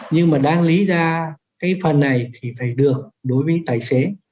nhưng mà đang lý ra cái phần này thì phải được đối với tài xế